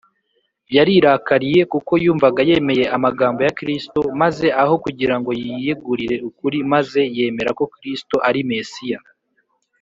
yarirakariye kuko yumvaga yemeye amagambo ya kristo, maze aho kugira ngo yiyegurire ukuri maze yemere ko kristo ari mesiya,